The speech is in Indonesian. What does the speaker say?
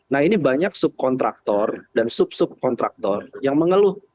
nah ini banyak subkontraktor dan sub subkontraktor yang mengeluh